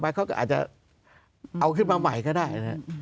หมายคือเอาขึ้นมาใหม่ก็ได้นะ